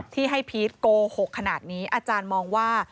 ที่ให้พีชโกหกขนาดนี้อาจารย์มองว่า